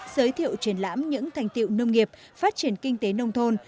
giới thiệu triển lãm những thành tiệu nông nghiệp phát triển kinh tế nông thôn